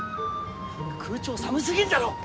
空調寒すぎんだろ！